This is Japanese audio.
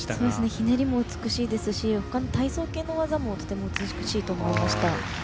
ひねりも美しいですし体操系の技もとても美しいと思いました。